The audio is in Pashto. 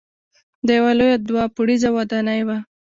دا یوه لویه دوه پوړیزه ودانۍ وه.